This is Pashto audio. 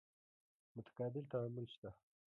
متقابل تعامل شته.